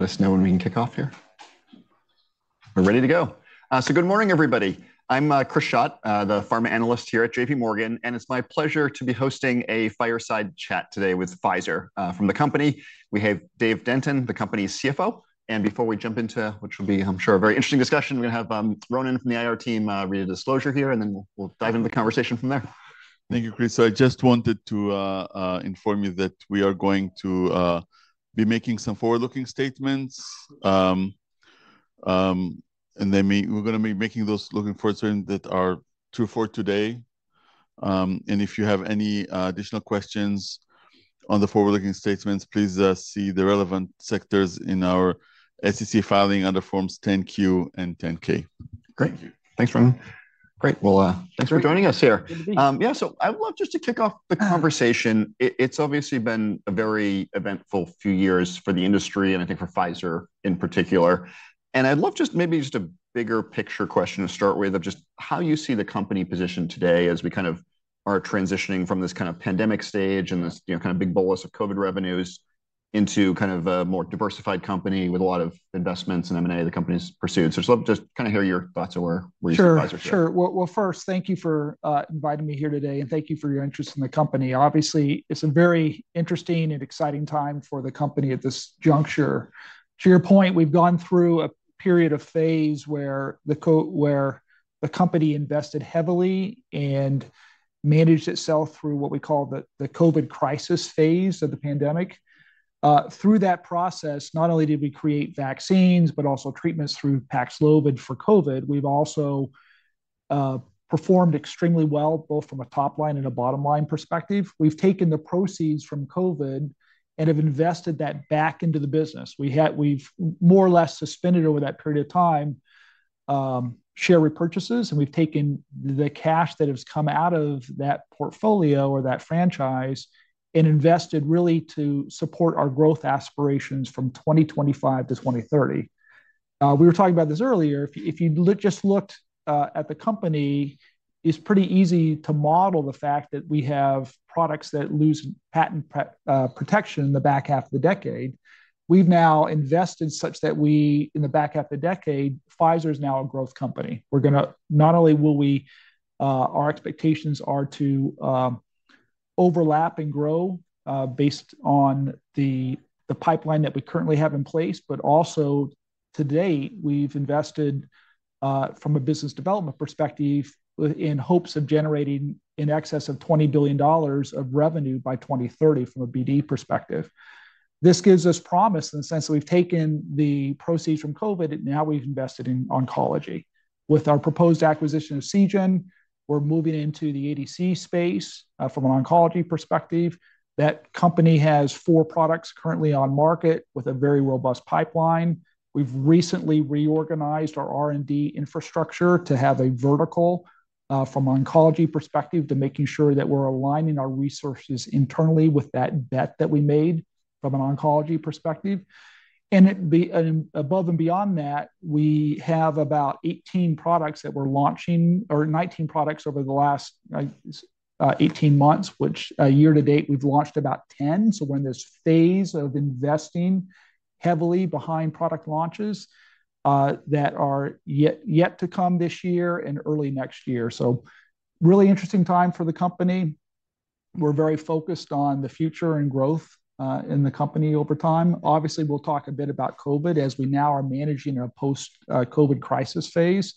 Let us know when we can kick off here. We're ready to go. So good morning, everybody. I'm Chris Schott, the Pharma Analyst here at JPMorgan, and it's my pleasure to be hosting a fireside chat today with Pfizer. From the company, we have Dave Denton, the company's CFO. And before we jump into, which will be, I'm sure, a very interesting discussion, we're going to have Ronan from the IR team read a disclosure here, and then we'll dive into the conversation from there. Thank you, Chris. So I just wanted to inform you that we are going to be making some forward-looking statements. And they may- we're going to be making those looking forward statements that are true for today. And if you have any additional questions on the forward-looking statements, please see the relevant sections in our SEC filing under Forms 10-Q and 10-K. Great. Thank you. Thanks, Ronan. Great! Well, Thanks- Thanks for joining us here. Good to be here. Yeah, so I would love just to kick off the conversation. It's obviously been a very eventful few years for the industry, and I think for Pfizer in particular. I'd love just maybe just a bigger picture question to start with, of just how you see the company positioned today as we kind of are transitioning from this kind of pandemic stage and this, you know, kind of big bolus of COVID revenues into kind of a more diversified company with a lot of investments and M&A the company's pursued. So just let me just kind of hear your thoughts on where we see Pfizer today. Sure, sure. Well, first, thank you for inviting me here today, and thank you for your interest in the company. Obviously, it's a very interesting and exciting time for the company at this juncture. To your point, we've gone through a period of phase where the company invested heavily and managed itself through what we call the COVID crisis phase of the pandemic. Through that process, not only did we create vaccines, but also treatments through Paxlovid for COVID. We've also performed extremely well, both from a top-line and a bottom-line perspective. We've taken the proceeds from COVID and have invested that back into the business. We've more or less suspended over that period of time share repurchases, and we've taken the cash that has come out of that portfolio or that franchise and invested really to support our growth aspirations from 2025-2030. We were talking about this earlier. If you just looked at the company, it's pretty easy to model the fact that we have products that lose patent protection in the back half of the decade. We've now invested such that we, in the back half of the decade, Pfizer is now a growth company. We're going to... Not only will we, our expectations are to overlap and grow based on the pipeline that we currently have in place, but also to date, we've invested from a business development perspective in hopes of generating in excess of $20 billion of revenue by 2030, from a BD perspective. This gives us promise in the sense that we've taken the proceeds from COVID, and now we've invested in oncology. With our proposed acquisition of Seagen, we're moving into the ADC space from an oncology perspective. That company has four products currently on market with a very robust pipeline. We've recently reorganized our R&D infrastructure to have a vertical from oncology perspective, to making sure that we're aligning our resources internally with that bet that we made from an oncology perspective. And above and beyond that, we have about 18 products that we're launching, or 19 products over the last 18 months, which, year to date, we've launched about 10. So we're in this phase of investing heavily behind product launches that are yet to come this year and early next year. So really interesting time for the company. We're very focused on the future and growth in the company over time. Obviously, we'll talk a bit about COVID as we now are managing a post-COVID crisis phase,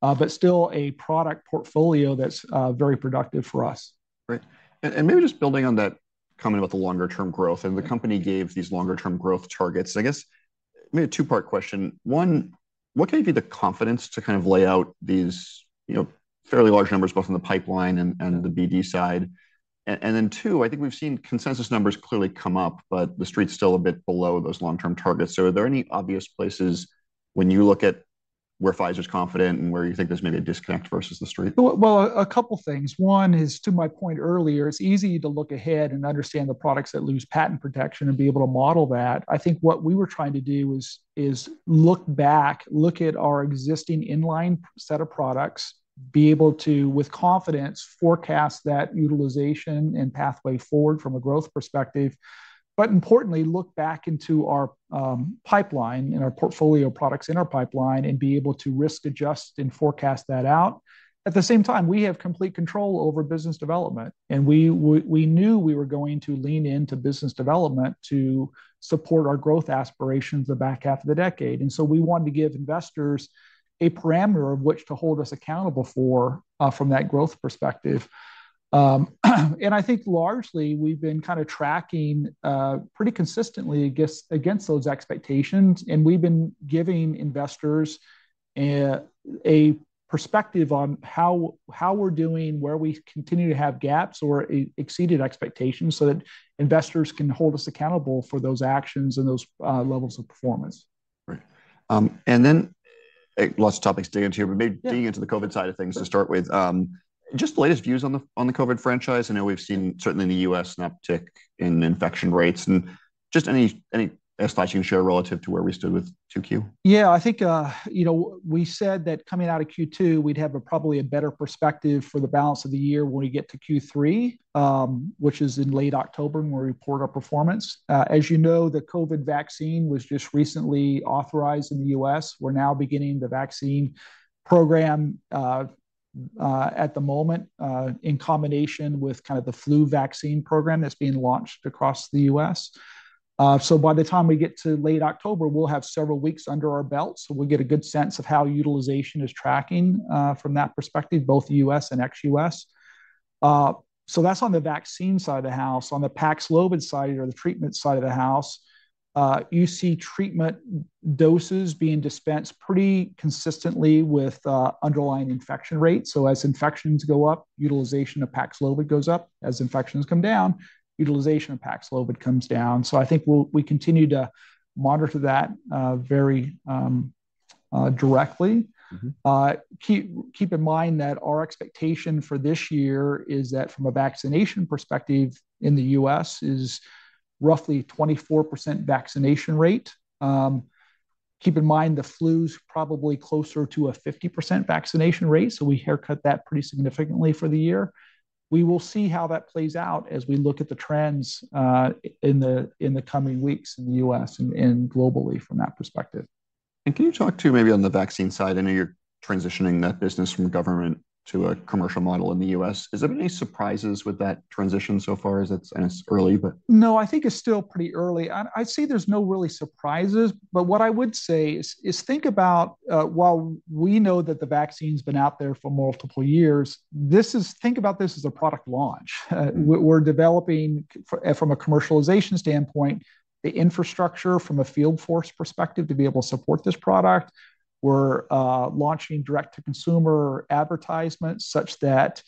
but still a product portfolio that's very productive for us. Great. And maybe just building on that comment about the longer-term growth, and the company gave these longer-term growth targets. I guess maybe a two-part question. One, what gave you the confidence to kind of lay out these, you know, fairly large numbers, both in the pipeline and in the BD side? And then, two, I think we've seen consensus numbers clearly come up, but the street's still a bit below those long-term targets. So are there any obvious places when you look at where Pfizer's confident and where you think there's maybe a disconnect versus the street? Well, well, a couple things. One is, to my point earlier, it's easy to look ahead and understand the products that lose patent protection and be able to model that. I think what we were trying to do is look back, look at our existing in-line set of products, be able to, with confidence, forecast that utilization and pathway forward from a growth perspective, but importantly, look back into our pipeline and our portfolio of products in our pipeline and be able to risk adjust and forecast that out. At the same time, we have complete control over business development, and we we knew we were going to lean into business development to support our growth aspirations the back half of the decade. And so we wanted to give investors a parameter of which to hold us accountable for from that growth perspective. And I think largely, we've been kind of tracking pretty consistently against those expectations, and we've been giving investors a perspective on how we're doing, where we continue to have gaps or exceeded expectations, so that investors can hold us accountable for those actions and those levels of performance. Right. And then, lots of topics to get into, but maybe- Yeah... digging into the COVID side of things to start with. Just the latest views on the COVID franchise. I know we've seen, certainly in the U.S., an uptick in infection rates, and just any insights you can share relative to where we stood with 2Q? Yeah, I think, you know, we said that coming out of Q2, we'd have a probably a better perspective for the balance of the year when we get to Q3, which is in late October, when we report our performance. As you know, the COVID vaccine was just recently authorized in the U.S. We're now beginning the vaccine program, at the moment, in combination with kind of the flu vaccine program that's being launched across the U.S. So by the time we get to late October, we'll have several weeks under our belt, so we'll get a good sense of how utilization is tracking, from that perspective, both U.S. and ex-U.S. So that's on the vaccine side of the house. On the Paxlovid side or the treatment side of the house, you see treatment doses being dispensed pretty consistently with underlying infection rates. So as infections go up, utilization of Paxlovid goes up. As infections come down, utilization of Paxlovid comes down. So I think we continue to monitor that very directly. Mm-hmm. Keep in mind that our expectation for this year is that from a vaccination perspective in the U.S. is roughly 24% vaccination rate. Keep in mind, the flu's probably closer to a 50% vaccination rate, so we haircut that pretty significantly for the year. We will see how that plays out as we look at the trends in the coming weeks in the U.S. and globally from that perspective. Can you talk too, maybe on the vaccine side? I know you're transitioning that business from government to a commercial model in the U.S. Is there any surprises with that transition so far as it's, and it's early, but? No, I think it's still pretty early. I, I'd say there's no real surprises, but what I would say is, think about, while we know that the vaccine's been out there for multiple years, this is, think about this as a product launch. Mm-hmm. We're developing from a commercialization standpoint the infrastructure from a field force perspective to be able to support this product. We're launching direct-to-consumer advertisements such that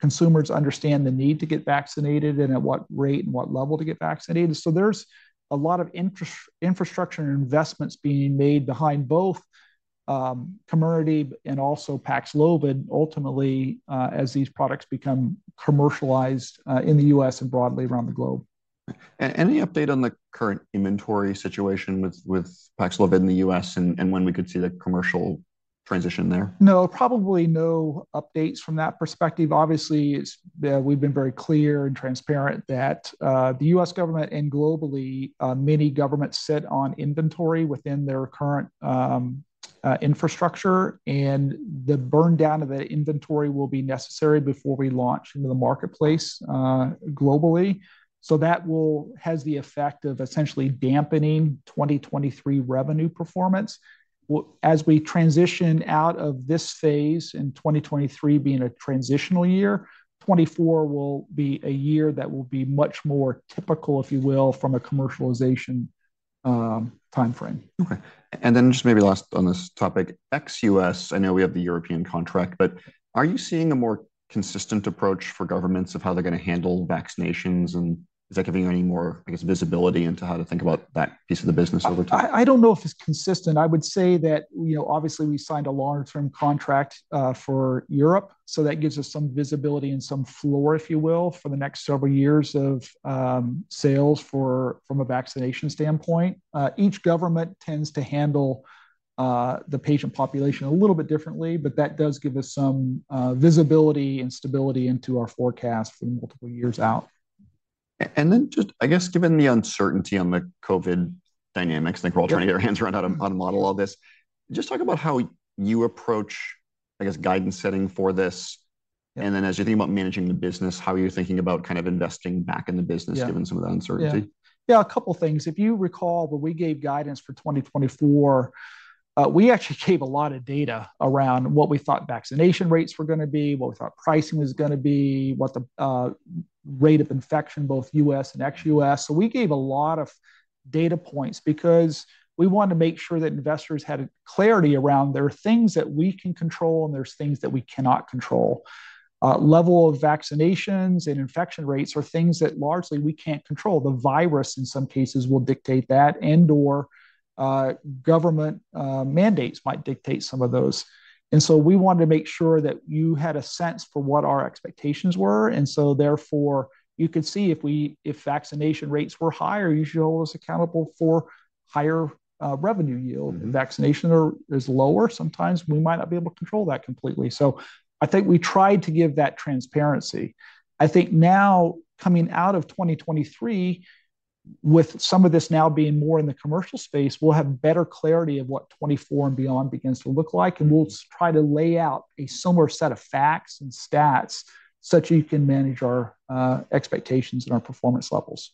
consumers understand the need to get vaccinated and at what rate and what level to get vaccinated. So there's a lot of infrastructure and investments being made behind both Comirnaty and also Paxlovid, ultimately as these products become commercialized in the U.S. and broadly around the globe. Any update on the current inventory situation with Paxlovid in the U.S., and when we could see the commercial transition there? No, probably no updates from that perspective. Obviously, it's we've been very clear and transparent that the U.S. government and globally many governments sit on inventory within their current infrastructure, and the burn down of the inventory will be necessary before we launch into the marketplace globally. So that will have the effect of essentially dampening 2023 revenue performance. As we transition out of this phase in 2023 being a transitional year, 2024 will be a year that will be much more typical, if you will, from a commercialization time frame. Okay. And then just maybe last on this topic, ex-U.S., I know we have the European contract, but are you seeing a more consistent approach for governments of how they're gonna handle vaccinations, and is that giving you any more, I guess, visibility into how to think about that piece of the business over time? I don't know if it's consistent. I would say that, you know, obviously, we signed a longer-term contract for Europe, so that gives us some visibility and some floor, if you will, for the next several years of sales from a vaccination standpoint. Each government tends to handle the patient population a little bit differently, but that does give us some visibility and stability into our forecast for multiple years out. And then just, I guess, given the uncertainty on the COVID dynamics, I think we're all trying to get our hands around how to, how to model all this. Yeah. Just talk about how you approach, I guess, guidance setting for this. And then, as you're thinking about managing the business, how are you thinking about kind of investing back in the business- Yeah... given some of the uncertainty? Yeah. Yeah, a couple things. If you recall, when we gave guidance for 2024, we actually gave a lot of data around what we thought vaccination rates were gonna be, what we thought pricing was gonna be, what the rate of infection, both U.S. and ex-U.S. So we gave a lot of data points because we wanted to make sure that investors had a clarity around there are things that we can control, and there's things that we cannot control. Level of vaccinations and infection rates are things that largely we can't control. The virus, in some cases, will dictate that, and/or government mandates might dictate some of those. So we wanted to make sure that you had a sense for what our expectations were, and so therefore, you could see if vaccination rates were higher, you should hold us accountable for higher revenue yield. Mm-hmm. If vaccination is lower, sometimes we might not be able to control that completely. So I think we tried to give that transparency. I think now, coming out of 2023, with some of this now being more in the commercial space, we'll have better clarity of what 2024 and beyond begins to look like, and we'll try to lay out a similar set of facts and stats such that you can manage our expectations and our performance levels.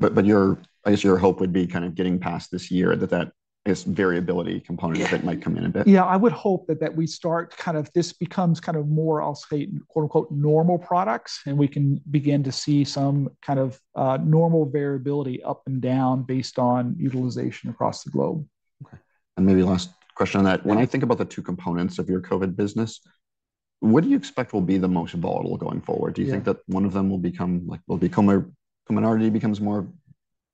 But your, I guess, your hope would be kind of getting past this year, that, I guess, variability component... Yeah... that might come in a bit. Yeah, I would hope that, that we start kind of, this becomes kind of more, I'll say, quote, unquote, "normal products," and we can begin to see some kind of normal variability up and down based on utilization across the globe. Okay, and maybe last question on that. Yeah. When you think about the two components of your COVID business, what do you expect will be the most volatile going forward? Yeah. Do you think that one of them will become, like, will become a Comirnaty becomes more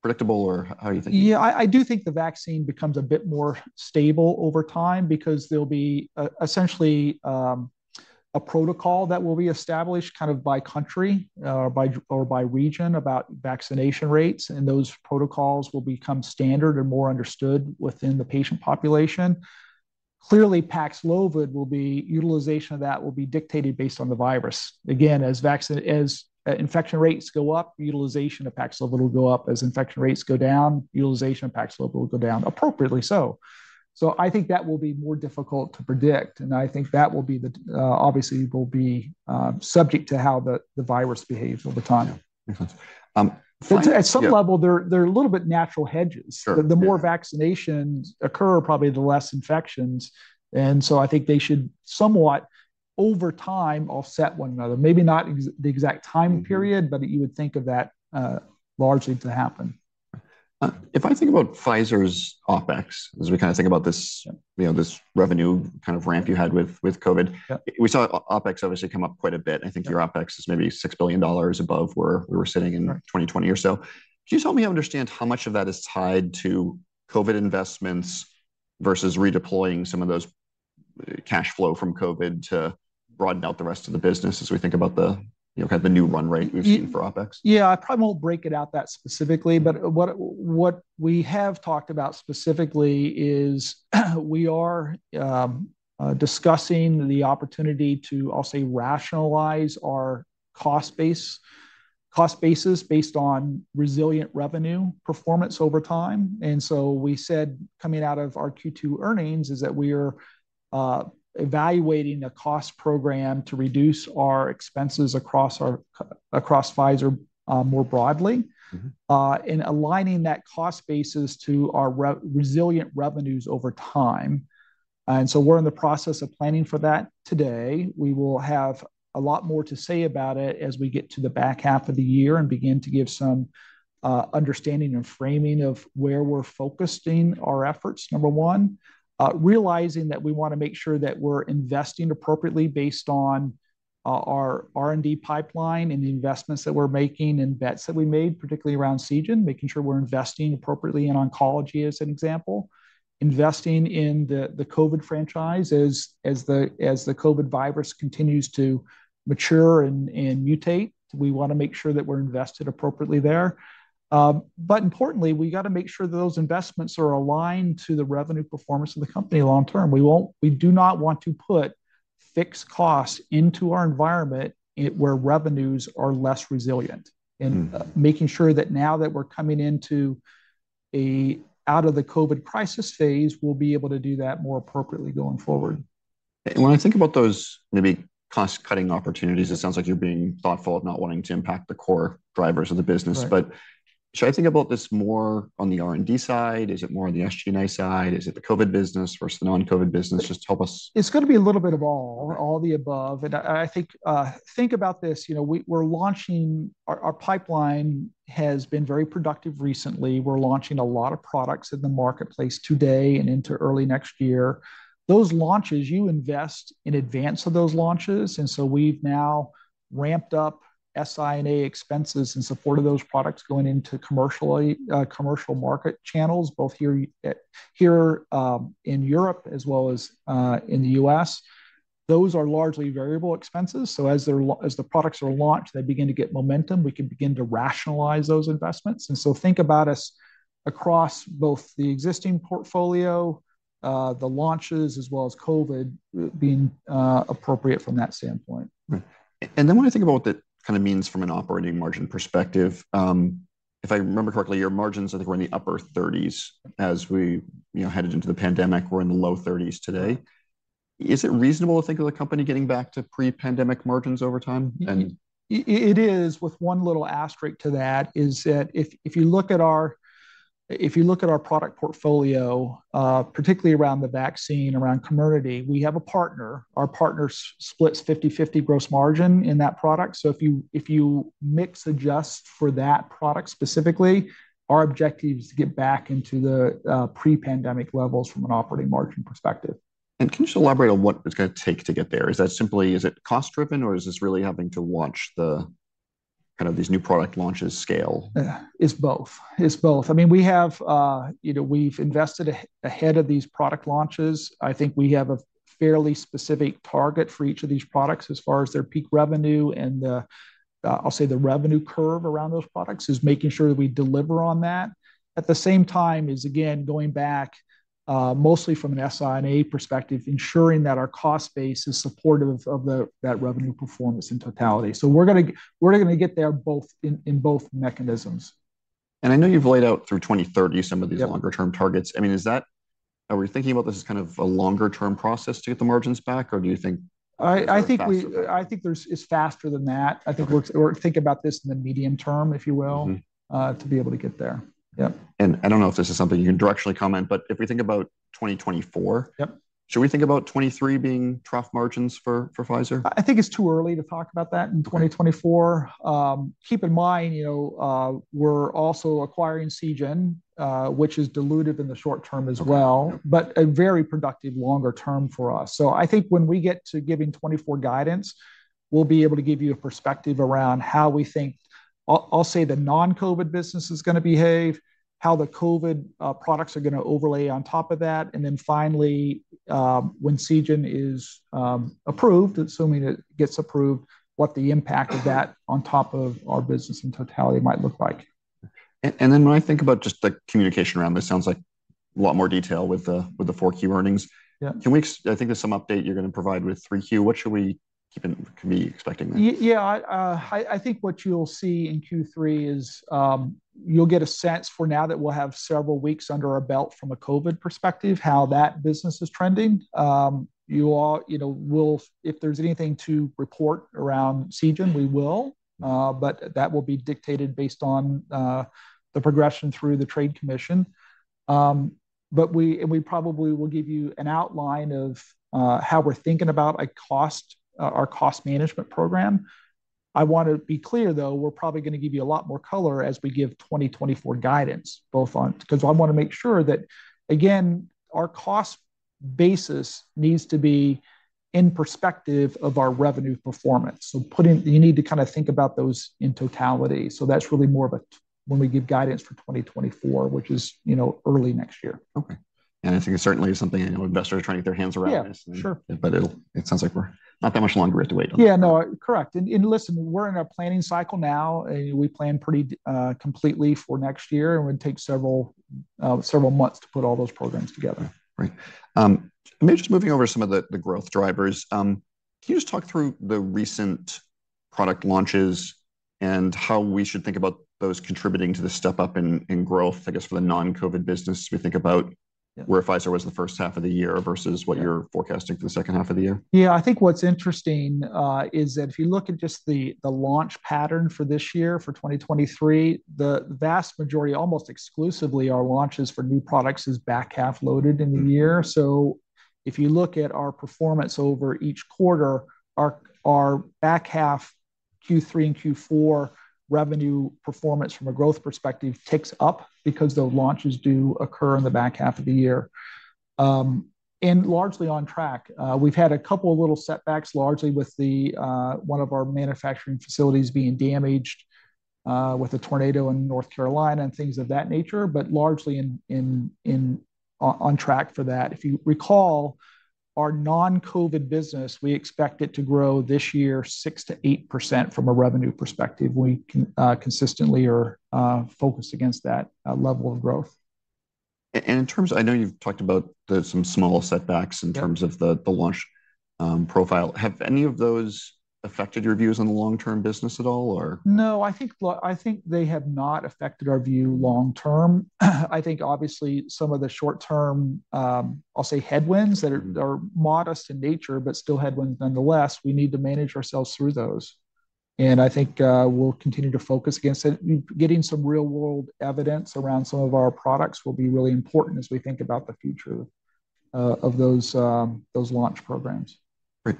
predictable, or how are you thinking? Yeah, I do think the vaccine becomes a bit more stable over time because there'll be essentially a protocol that will be established kind of by country or by region about vaccination rates, and those protocols will become standard and more understood within the patient population. Clearly, Paxlovid utilization will be dictated based on the virus. Again, as infection rates go up, utilization of Paxlovid will go up. As infection rates go down, utilization of Paxlovid will go down, appropriately so. So I think that will be more difficult to predict, and I think that will be the obviously will be subject to how the virus behaves over time. Yeah, makes sense. Yeah- At some level, they're a little bit natural hedges. Sure, yeah. The more vaccinations occur, probably the less infections, and so I think they should somewhat, over time, offset one another. Maybe not exactly the exact time period- Mm-hmm. but you would think of that, largely to happen. If I think about Pfizer's OpEx, as we kind of think about this- Yeah... you know, this revenue kind of ramp you had with, with COVID. Yeah. We saw OpEx obviously come up quite a bit. Yeah. I think your OpEx is maybe $6 billion above where we were sitting in 2020 or so. Can you just help me understand how much of that is tied to COVID investments versus redeploying some of those cash flow from COVID to broaden out the rest of the business as we think about the, you know, kind of the new run rate we've seen for OpEx? Yeah, I probably won't break it out that specifically, but what we have talked about specifically is, we are discussing the opportunity to, I'll say, rationalize our cost basis based on resilient revenue performance over time. And so we said, coming out of our Q2 earnings, is that we're evaluating a cost program to reduce our expenses across Pfizer, more broadly- Mm-hmm... and aligning that cost basis to our resilient revenues over time. And so we're in the process of planning for that today. We will have a lot more to say about it as we get to the back half of the year and begin to give some understanding and framing of where we're focusing our efforts, number one. Realizing that we want to make sure that we're investing appropriately based on our R&D pipeline and the investments that we're making and bets that we made, particularly around Seagen, making sure we're investing appropriately in oncology, as an example. Investing in the COVID franchise as the COVID virus continues to mature and mutate, we want to make sure that we're invested appropriately there. But importantly, we got to make sure that those investments are aligned to the revenue performance of the company long term. We do not want to put fixed costs into our environment where revenues are less resilient. Mm. Making sure that now that we're coming into an out-of-the-COVID-crisis phase, we'll be able to do that more appropriately going forward. When I think about those maybe cost-cutting opportunities, it sounds like you're being thoughtful of not wanting to impact the core drivers of the business. Right. But should I think about this more on the R&D side? Is it more on the SG&A side? Is it the COVID business versus the non-COVID business? Just help us. It's gonna be a little bit of all- Right... all the above. I think, think about this, you know, we're launching... Our pipeline has been very productive recently. We're launching a lot of products in the marketplace today and into early next year. Those launches, you invest in advance of those launches, and so we've now ramped up SI&A expenses in support of those products going into commercial market channels, both here in Europe, as well as in the U.S. Those are largely variable expenses, so as the products are launched, they begin to get momentum, we can begin to rationalize those investments. And so think about us across both the existing portfolio, the launches, as well as COVID, being appropriate from that standpoint. Right. And then, when I think about what that kind of means from an operating margin perspective, if I remember correctly, your margins, I think, were in the upper 30s as we, you know, headed into the pandemic. We're in the low 30s today. Is it reasonable to think of the company getting back to pre-pandemic margins over time? And- It is, with one little asterisk to that, that if you look at our product portfolio, particularly around the vaccine, around Comirnaty, we have a partner. Our partner splits 50/50 gross margin in that product, so if you mix adjust for that product specifically, our objective is to get back into the pre-pandemic levels from an operating margin perspective. Can you just elaborate on what it's gonna take to get there? Is that simply cost driven, or is this really having to launch the kind of these new product launches scale? It's both. It's both. I mean, we have, you know, we've invested ahead of these product launches. I think we have a fairly specific target for each of these products as far as their peak revenue and the, I'll say, the revenue curve around those products, is making sure that we deliver on that. At the same time, is again, going back, mostly from an SI&A perspective, ensuring that our cost base is supportive of the, that revenue performance in totality. So we're gonna get there both, in, in both mechanisms. I know you've laid out through 2030 some of the- Yep... longer-term targets. I mean, are we thinking about this as kind of a longer-term process to get the margins back, or do you think- I think we-... faster? I think it's faster than that. Okay. I think we're thinking about this in the medium term, if you will- Mm-hmm... to be able to get there. Yep. I don't know if this is something you can directly comment, but if we think about 2024- Yep. Should we think about 2023 being trough margins for, for Pfizer? I, I think it's too early to talk about that in 2024. Keep in mind, you know, we're also acquiring Seagen, which is dilutive in the short term as well- Okay, yep... but a very productive longer term for us. So I think when we get to giving 2024 guidance, we'll be able to give you a perspective around how we think, I'll say, the non-COVID business is gonna behave, how the COVID products are gonna overlay on top of that, and then finally, when Seagen is approved, assuming it gets approved, what the impact of that on top of our business in totality might look like.... And then when I think about just the communication around this, it sounds like a lot more detail with the 4Q earnings. Yeah. I think there's some update you're going to provide with 3Q. What can we be expecting then? Yeah, I think what you'll see in Q3 is, you'll get a sense for now that we'll have several weeks under our belt from a COVID perspective, how that business is trending. You all, you know, we'll, if there's anything to report around Seagen, we will, but that will be dictated based on the progression through the Federal Trade Commission. But we, and we probably will give you an outline of how we're thinking about a cost, our cost management program. I want to be clear, though, we're probably going to give you a lot more color as we give 2024 guidance, both on, because I want to make sure that, again, our cost basis needs to be in perspective of our revenue performance. So putting, you need to kind of think about those in totality. So that's really more of a, when we give guidance for 2024, which is, you know, early next year. Okay. I think it's certainly something I know investors are trying to get their hands around. Yeah, sure. But it'll. It sounds like we're not that much longer we have to wait. Yeah, no, correct. And, and listen, we're in a planning cycle now, and we plan pretty, completely for next year, and it would take several, several months to put all those programs together. Right. Maybe just moving over some of the, the growth drivers. Can you just talk through the recent product launches and how we should think about those contributing to the step up in, in growth, I guess, for the non-COVID business, we think about- Yeah -where Pfizer was in the first half of the year versus what- Yeah You're forecasting for the second half of the year? Yeah, I think what's interesting is that if you look at just the launch pattern for this year, for 2023, the vast majority, almost exclusively, our launches for new products is back half loaded in the year. So if you look at our performance over each quarter, our back half, Q3 and Q4 revenue performance from a growth perspective ticks up because the launches do occur in the back half of the year. And largely on track. We've had a couple of little setbacks, largely with the one of our manufacturing facilities being damaged with a tornado in North Carolina and things of that nature, but largely on track for that. If you recall, our non-COVID business, we expect it to grow this year 6%-8% from a revenue perspective. We consistently are focused against that level of growth. And in terms—I know you've talked about some small setbacks. Yeah In terms of the, the launch profile. Have any of those affected your views on the long-term business at all, or? No, I think they have not affected our view long term. I think obviously some of the short term, I'll say headwinds that are modest in nature, but still headwinds nonetheless, we need to manage ourselves through those. I think we'll continue to focus against it. Getting some real-world evidence around some of our products will be really important as we think about the future of those launch programs. Great.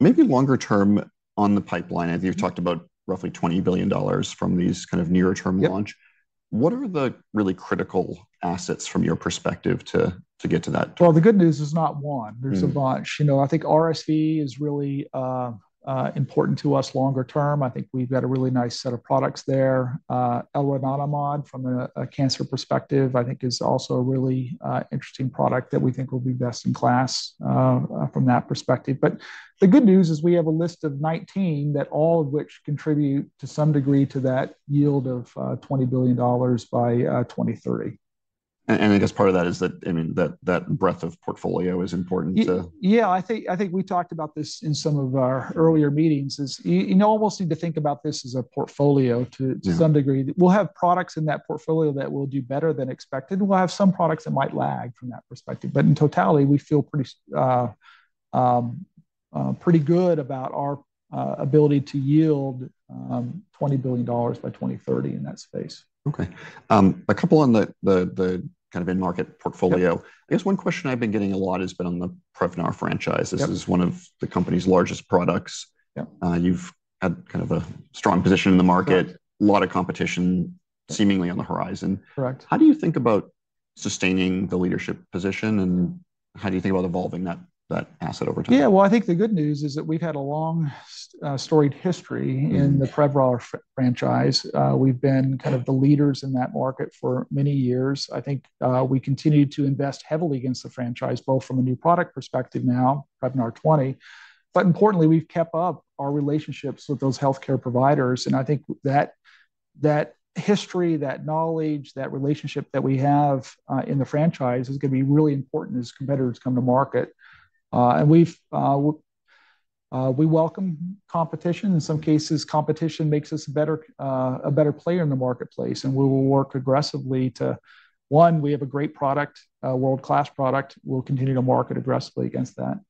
Maybe longer term on the pipeline, I think you've talked about roughly $20 billion from these kind of near-term launch. Yeah. What are the really critical assets from your perspective to get to that? Well, the good news is not one. Mm. There's a bunch. You know, I think RSV is really important to us longer term. I think we've got a really nice set of products there. Elranatamab, from a cancer perspective, I think is also a really interesting product that we think will be best in class, from that perspective. But the good news is we have a list of 19 that all of which contribute to some degree to that yield of $20 billion by 2030. And I guess part of that is that, I mean, that breadth of portfolio is important to- Yeah, I think, I think we talked about this in some of our earlier meetings. You almost need to think about this as a portfolio to- Yeah... some degree. We'll have products in that portfolio that will do better than expected. We'll have some products that might lag from that perspective. But in totality, we feel pretty, pretty good about our ability to yield $20 billion by 2030 in that space. Okay. A couple on the kind of end market portfolio. Yep. I guess one question I've been getting a lot has been on the Prevnar franchise. Yep. This is one of the company's largest products. Yep. You've had kind of a strong position in the market. Correct. A lot of competition seemingly on the horizon. Correct. How do you think about sustaining the leadership position, and how do you think about evolving that asset over time? Yeah, well, I think the good news is that we've had a long, storied history- Mm-hmm... in the Prevnar franchise. We've been kind of the leaders in that market for many years. I think, we continue to invest heavily against the franchise, both from a new product perspective now, Prevnar 20. But importantly, we've kept up our relationships with those healthcare providers, and I think that, that history, that knowledge, that relationship that we have, in the franchise is gonna be really important as competitors come to market. And we welcome competition. In some cases, competition makes us a better, a better player in the marketplace, and we will work aggressively to... One, we have a great product, a world-class product. We'll continue to market aggressively against that.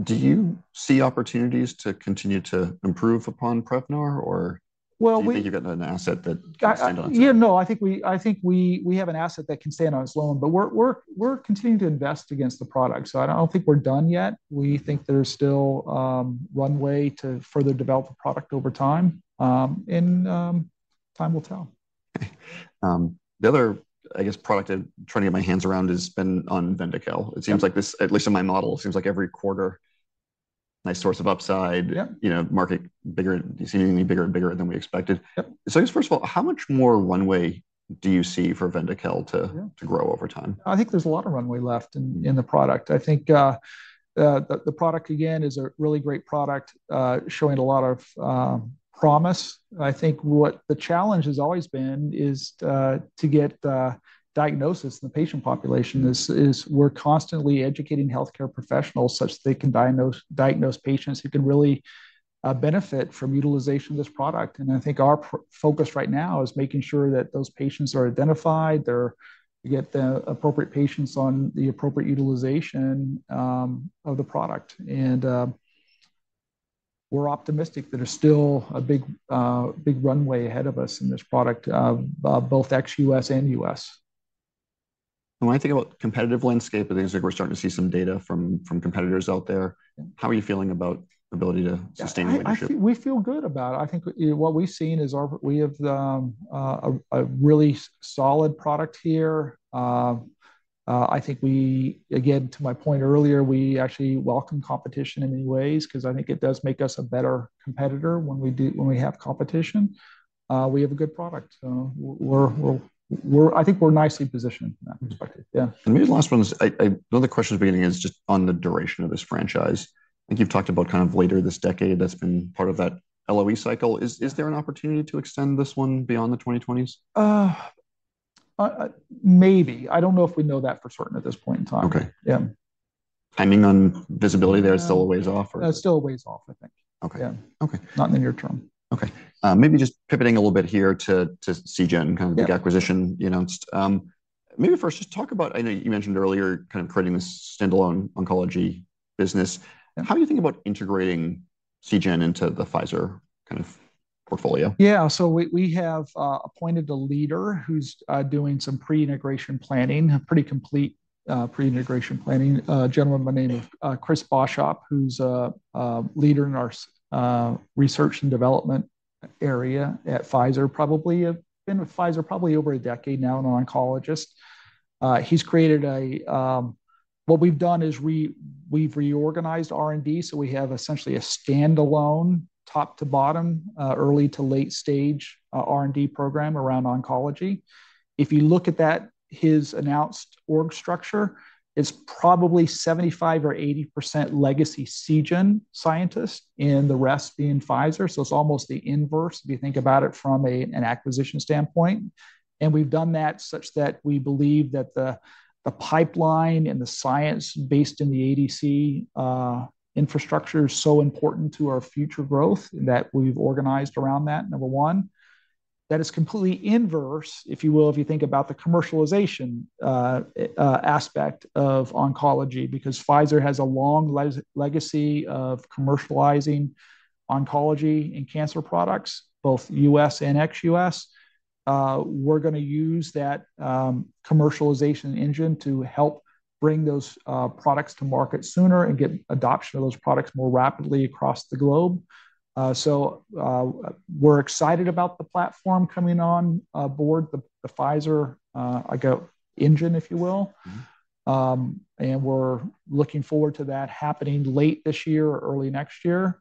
Do you see opportunities to continue to improve upon Prevnar, or- Well, we- Do you think you've got an asset that can stand on its own? Yeah, no, I think we have an asset that can stand on its own, but we're continuing to invest against the product, so I don't think we're done yet. We think there's still one way to further develop the product over time, and time will tell. The other, I guess, product I'm trying to get my hands around has been on Vyndaqel. Yep. It seems like this, at least in my model, it seems like every quarter... Nice source of upside- Yeah. You know, market bigger, you see any bigger and bigger than we expected? Yep. So I guess, first of all, how much more runway do you see for Vyndaqel to- Yeah to grow over time? I think there's a lot of runway left in the product. I think the product, again, is a really great product showing a lot of promise. I think what the challenge has always been is to get diagnosis in the patient population. We're constantly educating healthcare professionals such that they can diagnose patients who can really benefit from utilization of this product. And I think our focus right now is making sure that those patients are identified, they get the appropriate patients on the appropriate utilization of the product. And we're optimistic that there's still a big runway ahead of us in this product both ex-U.S. and U.S. When I think about competitive landscape, it seems like we're starting to see some data from competitors out there. How are you feeling about ability to sustain your leadership? We feel good about it. I think what we've seen is we have a really solid product here. I think we—again, to my point earlier, we actually welcome competition in many ways, 'cause I think it does make us a better competitor when we do—when we have competition. We have a good product, so we're—I think we're nicely positioned in that respect. Yeah. Maybe the last one is another question at the beginning is just on the duration of this franchise. I think you've talked about kind of later this decade, that's been part of that LOE cycle. Is there an opportunity to extend this one beyond the 2020s? Maybe. I don't know if we know that for certain at this point in time. Okay. Yeah. Timing on visibility there is still a ways off, or? Still a ways off, I think. Okay. Yeah. Okay. Not in the near term. Okay. Maybe just pivoting a little bit here to, to Seagen, kind of- Yeah the acquisition, you know, maybe first just talk about, I know you mentioned earlier kind of creating this standalone oncology business. Yeah. How do you think about integrating Seagen into the Pfizer kind of portfolio? Yeah, so we, we have appointed a leader who's doing some pre-integration planning, a pretty complete pre-integration planning. A gentleman by the name of Chris Boshoff, who's a leader in our research and development area at Pfizer. Probably been with Pfizer probably over a decade now, an oncologist. He's created a... What we've done is we, we've reorganized R&D, so we have essentially a standalone, top to bottom, early to late stage R&D program around oncology. If you look at that, his announced org structure, it's probably 75% or 80% legacy Seagen scientists, and the rest being Pfizer. So it's almost the inverse, if you think about it from a acquisition standpoint. We've done that such that we believe that the pipeline and the science based in the ADC infrastructure is so important to our future growth that we've organized around that, number one. That is completely inverse, if you will, if you think about the commercialization aspect of oncology, because Pfizer has a long legacy of commercializing oncology and cancer products, both U.S. and ex-U.S. We're gonna use that commercialization engine to help bring those products to market sooner and get adoption of those products more rapidly across the globe. So, we're excited about the platform coming on board, the Pfizer commercial engine, if you will. Mm-hmm. We're looking forward to that happening late this year or early next year.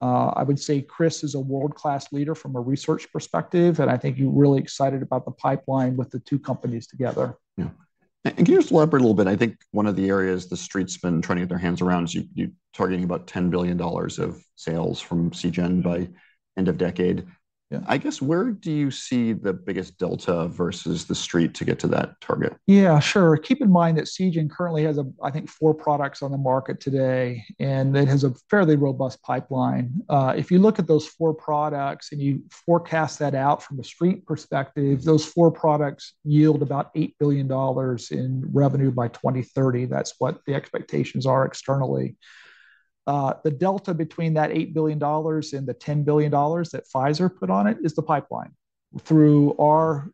I would say Chris is a world-class leader from a research perspective, and I think he's really excited about the pipeline with the two companies together. Yeah. Can you just elaborate a little bit? I think one of the areas the street's been trying to get their hands around is you, you targeting about $10 billion of sales from Seagen by end of decade. Yeah. I guess, where do you see the biggest delta versus the street to get to that target? Yeah, sure. Keep in mind that Seagen currently has, I think, four products on the market today, and it has a fairly robust pipeline. If you look at those four products and you forecast that out from a street perspective, those four products yield about $8 billion in revenue by 2030. That's what the expectations are externally. The delta between that $8 billion and the $10 billion that Pfizer put on it is the pipeline. Through our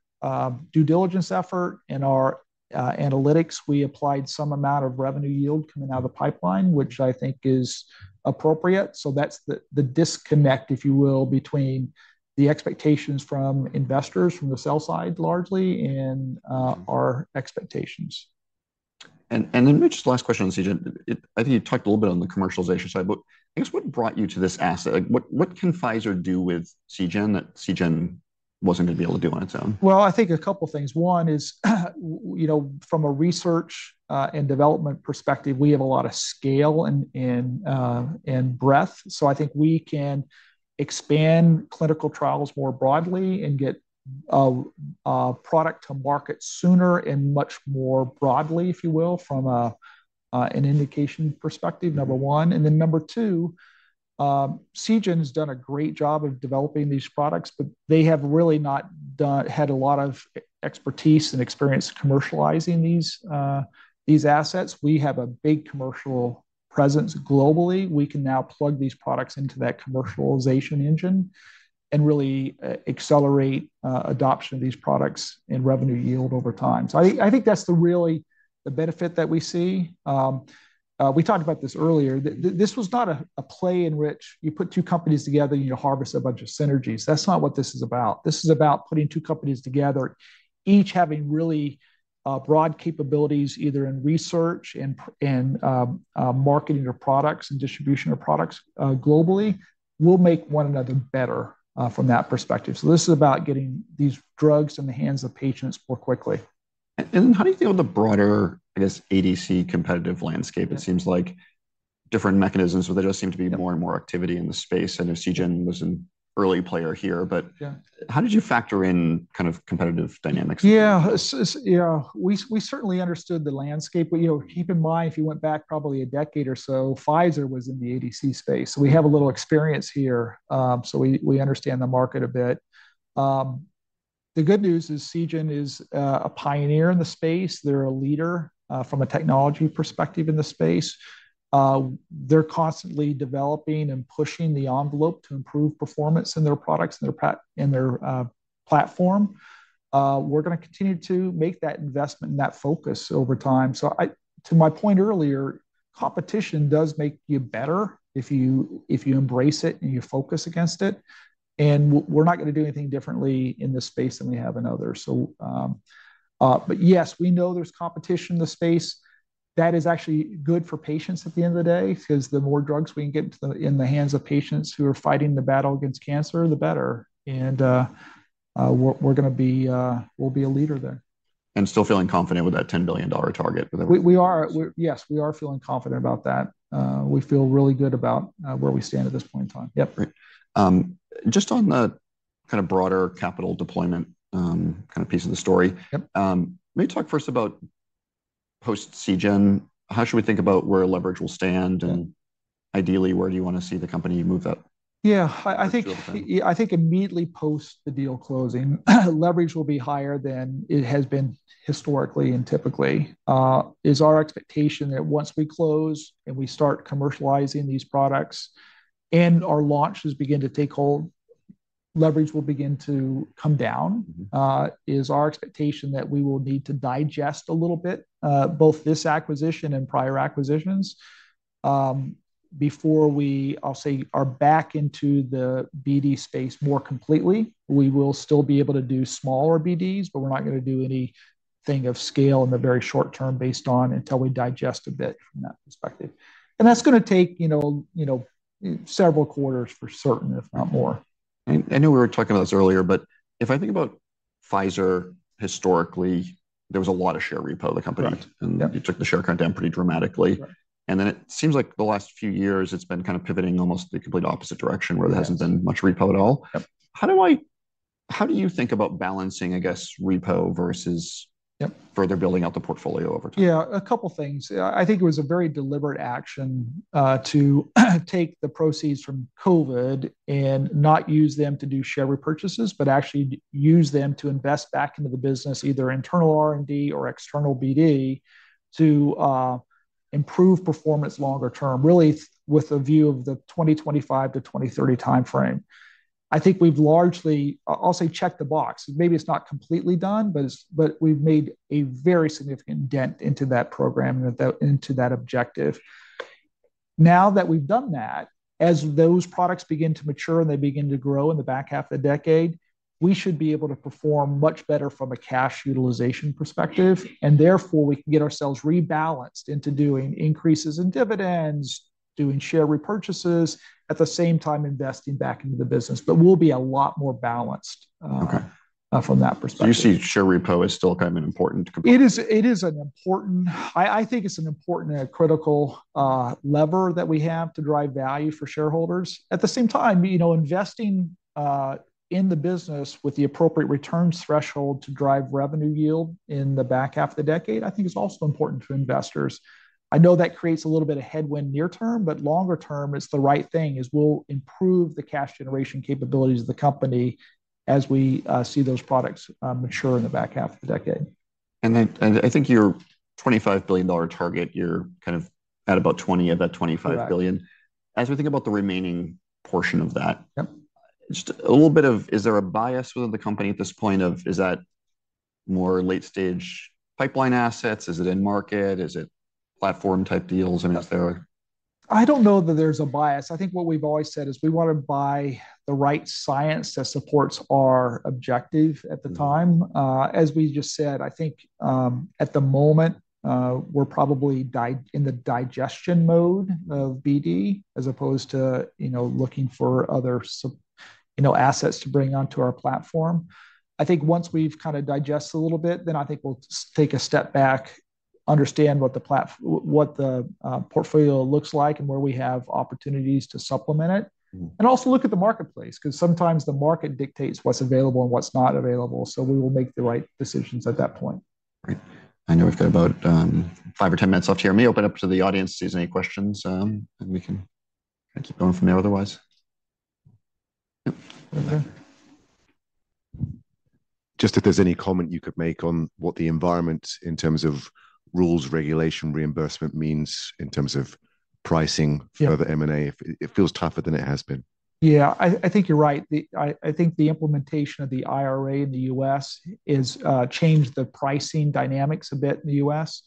due diligence effort and our analytics, we applied some amount of revenue yield coming out of the pipeline, which I think is appropriate. So that's the disconnect, if you will, between the expectations from investors, from the sales side, largely, and- Mm-hmm... our expectations. Then maybe just the last question on Seagen. I think you talked a little bit on the commercialization side, but I guess, what brought you to this asset? What can Pfizer do with Seagen, that Seagen wasn't going to be able to do on its own? Well, I think a couple of things. One is, you know, from a research and development perspective, we have a lot of scale and breadth. So I think we can expand clinical trials more broadly and get product to market sooner and much more broadly, if you will, from an indication perspective, number one. And then number two, Seagen has done a great job of developing these products, but they have really not had a lot of expertise and experience commercializing these assets. We have a big commercial presence globally. We can now plug these products into that commercialization engine and really accelerate adoption of these products and revenue yield over time. So I think that's the real benefit that we see, we talked about this earlier. This was not a play in which you put two companies together, and you harvest a bunch of synergies. That's not what this is about. This is about putting two companies together, each having really broad capabilities, either in research and marketing their products and distribution of products globally, will make one another better from that perspective. So this is about getting these drugs in the hands of patients more quickly. How do you feel the broader, I guess, ADC competitive landscape? It seems like different mechanisms, but there just seem to be- Yeah more and more activity in the space. I know Seagen was an early player here, but- Yeah. How did you factor in kind of competitive dynamics? Yeah, yeah, we certainly understood the landscape, but, you know, keep in mind, if you went back probably a decade or so, Pfizer was in the ADC space. We have a little experience here, so we understand the market a bit. The good news is, Seagen is a pioneer in the space. They're a leader from a technology perspective in the space. They're constantly developing and pushing the envelope to improve performance in their products and their platform. We're gonna continue to make that investment and that focus over time. So to my point earlier, competition does make you better if you embrace it, and you focus against it, and we're not gonna do anything differently in this space than we have in others. But yes, we know there's competition in the space. That is actually good for patients at the end of the day, because the more drugs we can get in the hands of patients who are fighting the battle against cancer, the better, and we're gonna be, we'll be a leader there. Still feeling confident with that $10 billion target for the- We are. Yes, we are feeling confident about that. We feel really good about where we stand at this point in time. Yep. Great. Just on the kinda broader capital deployment, kinda piece of the story- Yep. May you talk first about post-Seagen. How should we think about where leverage will stand, and ideally, where do you want to see the company move that? Yeah, I think-... Yeah, I think immediately post the deal closing, leverage will be higher than it has been historically and typically. It is our expectation that once we close, and we start commercializing these products, and our launches begin to take hold, leverage will begin to come down. Mm-hmm. Is our expectation that we will need to digest a little bit both this acquisition and prior acquisitions before we, I'll say, are back into the BD space more completely. We will still be able to do smaller BDs, but we're not gonna do anything of scale in the very short term based on until we digest a bit from that perspective. And that's gonna take, you know, you know, several quarters for certain, if not more. I know we were talking about this earlier, but if I think about Pfizer historically, there was a lot of share repo, the company- Right. Yep. and you took the share count down pretty dramatically. Right. And then it seems like the last few years it's been kind of pivoting almost the complete opposite direction- Yes where there hasn't been much repo at all. Yep. How do you think about balancing, I guess, repo versus- Yep - further building out the portfolio over time? Yeah, a couple things. I think it was a very deliberate action to take the proceeds from COVID and not use them to do share repurchases, but actually use them to invest back into the business, either internal R&D or external BD, to improve performance longer term, really with a view of the 2025-2030 time frame. I think we've largely, I'll say, checked the box. Maybe it's not completely done, but we've made a very significant dent into that program, and into that objective. Now that we've done that, as those products begin to mature, and they begin to grow in the back half of the decade, we should be able to perform much better from a cash utilization perspective, and therefore, we can get ourselves rebalanced into doing increases in dividends, doing share repurchases, at the same time investing back into the business. But we'll be a lot more balanced. Okay... from that perspective. Do you see share repo as still kind of an important component? It is an important—I think it's an important and critical lever that we have to drive value for shareholders. At the same time, you know, investing in the business with the appropriate return threshold to drive revenue yield in the back half of the decade, I think is also important to investors. I know that creates a little bit of headwind near term, but longer term, it's the right thing, as we'll improve the cash generation capabilities of the company as we see those products mature in the back half of the decade. I think your $25 billion target, you're kind of at about $20 billion of that $25 billion. Right. As we think about the remaining portion of that- Yep... just a little bit of, is there a bias within the company at this point of, is that more late-stage pipeline assets? Is it in-market? Is it platform-type deals? Yep. I mean, is there- I don't know that there's a bias. I think what we've always said is we want to buy the right science that supports our objective at the time. Mm. As we just said, I think, at the moment, we're probably in the digestion mode of BD, as opposed to, you know, looking for other assets to bring onto our platform. I think once we've kinda digested a little bit, then I think we'll take a step back, understand what the portfolio looks like and where we have opportunities to supplement it. Mm. Also look at the marketplace, because sometimes the market dictates what's available and what's not available, so we will make the right decisions at that point. Great. I know we've got about five or 10 minutes left here. Let me open up to the audience, see if there's any questions, and we can kind of keep going from there, otherwise. Yep. Over there. Just if there's any comment you could make on what the environment in terms of rules, regulation, reimbursement means in terms of pricing for the M&A, it feels tougher than it has been? Yeah, I think you're right. The I think the implementation of the IRA in the U.S. has changed the pricing dynamics a bit in the U.S.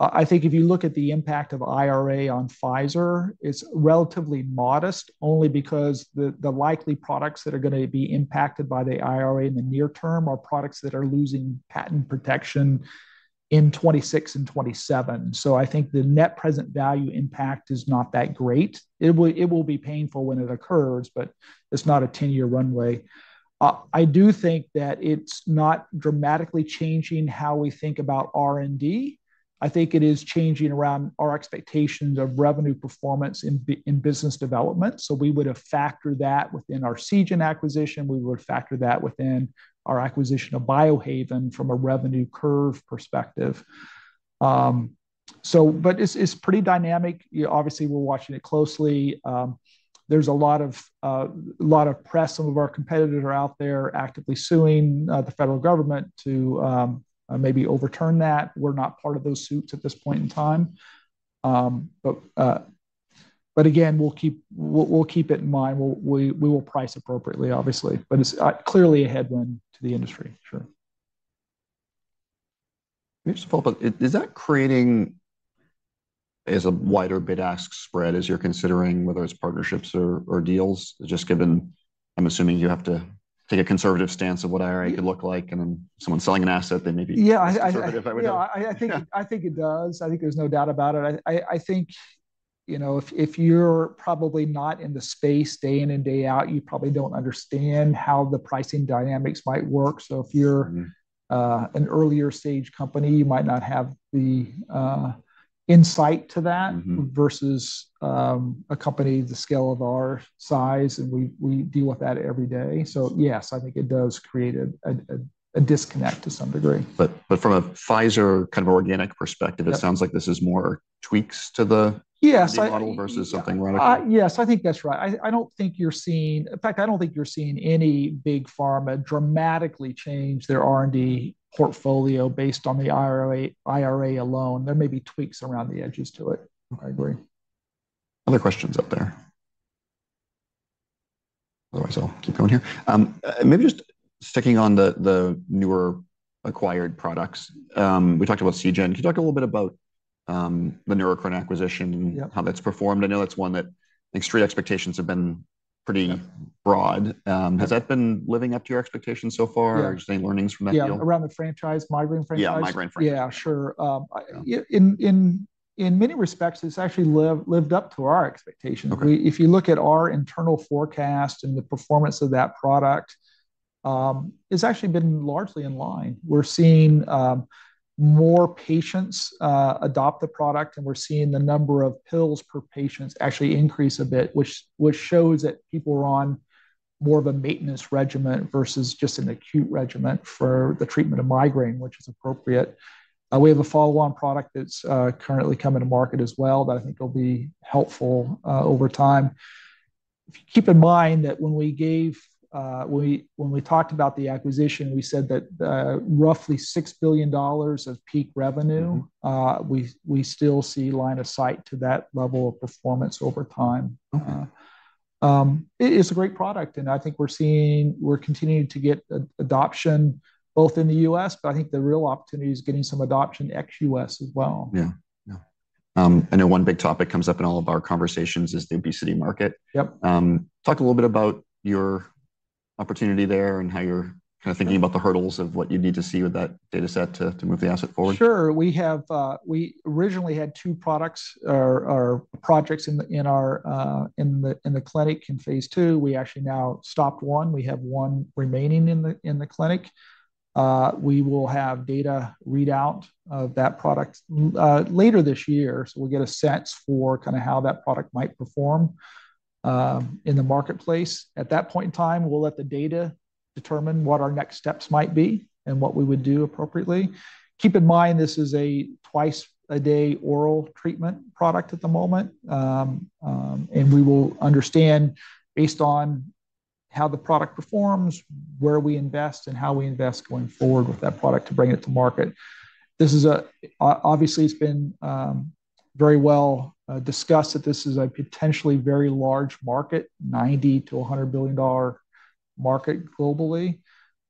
I think if you look at the impact of IRA on Pfizer, it's relatively modest, only because the likely products that are gonna be impacted by the IRA in the near term are products that are losing patent protection in 2026 and 2027. So I think the net present value impact is not that great. It will be painful when it occurs, but it's not a ten-year runway. I do think that it's not dramatically changing how we think about R&D. I think it is changing around our expectations of revenue performance in business development. So we would have factored that within our Seagen acquisition, we would factor that within our acquisition of Biohaven from a revenue curve perspective. So but it's, it's pretty dynamic. Yeah, obviously, we're watching it closely. There's a lot of, lot of press, some of our competitors are out there actively suing, the federal government to, maybe overturn that. We're not part of those suits at this point in time. But, but again, we'll keep, we'll, we'll keep it in mind. We'll, we, we will price appropriately, obviously, but it's, clearly a headwind to the industry. Sure. Just to follow up, is that creating... Is a wider bid-ask spread as you're considering, whether it's partnerships or deals, just given— I'm assuming you have to take a conservative stance of what IRA could look like, and then someone selling an asset, they may be- Yeah. -less conservative about it? Yeah, I think it does. I think there's no doubt about it. I think, you know, if you're probably not in the space day in and day out, you probably don't understand how the pricing dynamics might work. Mm-hmm. So if you're an earlier stage company, you might not have the insight to that- Mm-hmm... versus a company the scale of our size, and we deal with that every day. So yes, I think it does create a disconnect to some degree. But from a Pfizer kind of organic perspective- Yeah... it sounds like this is more tweaks to the- Yes, I- model versus something radical. Yes, I think that's right. I don't think you're seeing—in fact, I don't think you're seeing any big pharma dramatically change their R&D portfolio based on the IRA, IRA alone. There may be tweaks around the edges to it. I agree. Other questions out there? Otherwise, I'll keep going here. Maybe just sticking on the newer acquired products. We talked about Seagen. Can you talk a little bit about the Biohaven acquisition? Yeah... how that's performed? I know it's one that I think Street expectations have been pretty broad. Yeah. Has that been living up to your expectations so far? Yeah. Or just any learnings from that deal? Yeah, around the franchise, migraine franchise? Yeah, migraine franchise. Yeah, sure. Yeah, in many respects, it's actually lived up to our expectations. Okay. If you look at our internal forecast and the performance of that product, it's actually been largely in line. We're seeing more patients adopt the product, and we're seeing the number of pills per patients actually increase a bit, which shows that people are on more of a maintenance regimen versus just an acute regimen for the treatment of migraine, which is appropriate. We have a follow-on product that's currently coming to market as well, that I think will be helpful over time. If you keep in mind that when we talked about the acquisition, we said that roughly $6 billion of peak revenue- Mm-hmm we still see line of sight to that level of performance over time. Okay. It's a great product, and I think we're seeing we're continuing to get adoption both in the U.S., but I think the real opportunity is getting some adoption ex-U.S. as well. Yeah. Yeah. I know one big topic comes up in all of our conversations is the obesity market. Yep. Talk a little bit about your opportunity there and how you're kind of thinking about the hurdles of what you need to see with that data set to move the asset forward. Sure. We have, we originally had two products or projects in the in our, in the clinic, in phase II. We actually now stopped one. We have one remaining in the clinic. We will have data readout of that product later this year, so we'll get a sense for kind of how that product might perform in the marketplace. At that point in time, we'll let the data determine what our next steps might be and what we would do appropriately. Keep in mind, this is a twice-a-day oral treatment product at the moment. And we will understand, based on how the product performs, where we invest, and how we invest going forward with that product to bring it to market. This is obviously, it's been very well discussed that this is a potentially very large market, $90 billion-$100 billion market globally.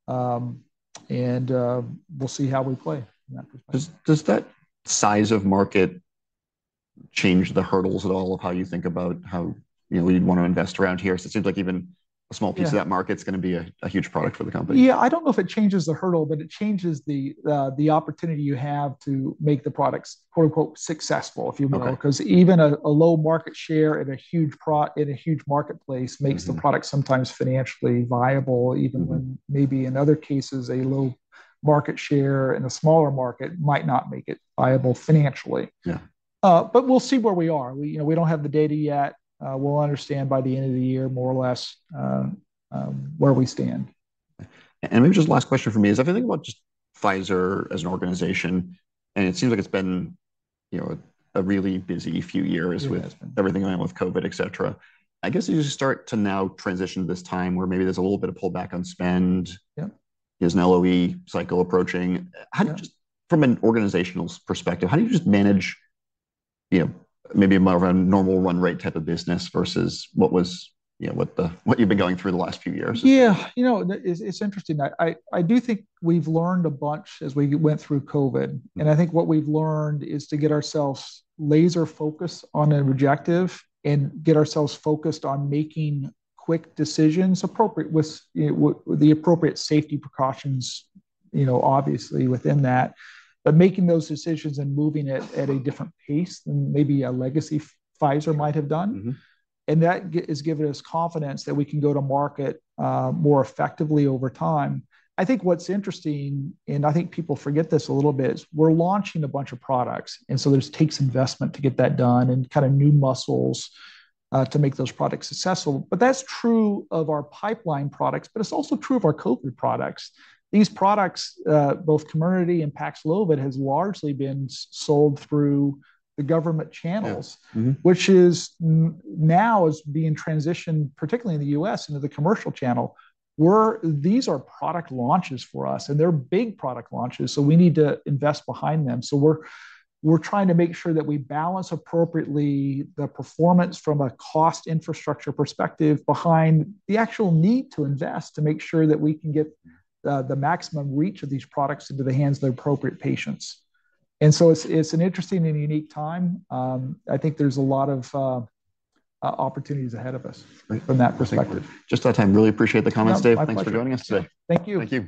And we'll see how we play in that perspective. Does that size of market change the hurdles at all of how you think about how, you know, you'd want to invest around here? So it seems like even a small piece- Yeah... of that market is gonna be a huge product for the company. Yeah, I don't know if it changes the hurdle, but it changes the opportunity you have to make the products, quote, unquote, "successful," if you will. Okay. 'Cause even a low market share in a huge marketplace- Mm-hmm... makes the product sometimes financially viable- Mm-hmm... even when maybe in other cases, a low market share in a smaller market might not make it viable financially. Yeah. But we'll see where we are. You know, we don't have the data yet. We'll understand by the end of the year, more or less, where we stand. Maybe just the last question for me is, if you think about just Pfizer as an organization, and it seems like it's been, you know, a really busy few years- It has been.... with everything going on with COVID, et cetera. I guess as you start to now transition to this time where maybe there's a little bit of pull back on spend- Yeah... there's an LOE cycle approaching. Yeah. How do you just—from an organizational perspective, how do you just manage, you know, maybe more of a normal run rate type of business versus what was, you know, what you've been going through the last few years? Yeah, you know, it's interesting. I do think we've learned a bunch as we went through COVID, and I think what we've learned is to get ourselves laser focused on an objective and get ourselves focused on making quick decisions, appropriate, with, you know, with the appropriate safety precautions, you know, obviously, within that. But making those decisions and moving it at a different pace than maybe a legacy Pfizer might have done. Mm-hmm. And that has given us confidence that we can go to market more effectively over time. I think what's interesting, and I think people forget this a little bit, is we're launching a bunch of products, and so this takes investment to get that done and kind of new muscles to make those products successful. But that's true of our pipeline products, but it's also true of our COVID products. These products, both Comirnaty and Paxlovid, has largely been sold through the government channels- Yeah. Mm-hmm... which is now being transitioned, particularly in the U.S., into the commercial channel. We're these are product launches for us, and they're big product launches, so we need to invest behind them. So we're trying to make sure that we balance appropriately the performance from a cost infrastructure perspective behind the actual need to invest, to make sure that we can get the maximum reach of these products into the hands of the appropriate patients. And so it's an interesting and unique time. I think there's a lot of opportunities ahead of us- Great... from that perspective. Just about time. Really appreciate the comments, Dave. Yeah, my pleasure. Thanks for joining us today. Thank you. Thank you.